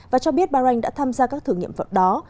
và cho biết bahrain đã tham gia các thử nghiệm vận đó